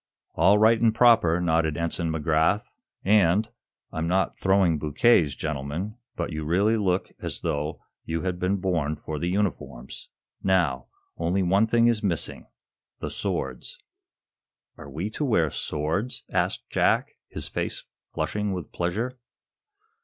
"All right and proper," nodded Ensign McGrath. "And I'm not throwing bouquets, gentlemen, but you really look as though you had been born for the uniforms. Now, only one thing is missing the swords." "Are we to wear swords?" asked Jack, his face flushing with pleasure.